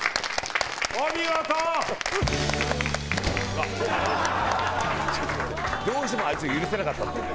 あっどうしてもあいつが許せなかったんだ。